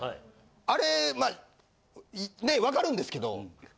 あれまぁねえ分かるんですけど。